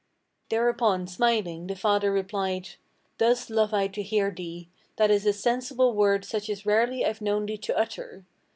Thereupon smiling the father replied: "Thus love I to hear thee! That is a sensible word such as rarely I've known thee to utter."